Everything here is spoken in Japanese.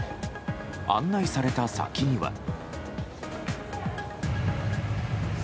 案内された先には。